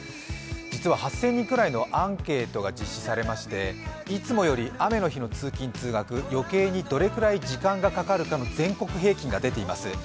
実は８０００人くらいのアンケートが実施されましていつもより雨の日の通勤・通学、余計にどれくらい時間がかかるかの全国平均が出ています。